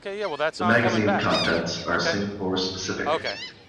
The magazine contents are Singapore-specific.